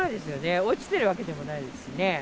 落ちてるわけでもないですしね。